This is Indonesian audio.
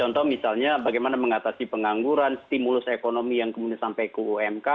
contoh misalnya bagaimana mengatasi pengangguran stimulus ekonomi yang kemudian sampai ke umk